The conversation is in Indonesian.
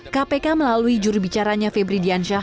kpk melalui jurubicaranya febri diansyah